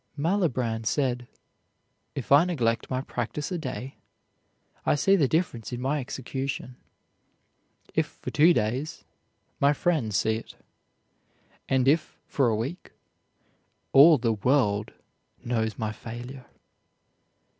Malibran said: "If I neglect my practice a day, I see the difference in my execution; if for two days, my friends see it; and if for a week, all the world knows my failure."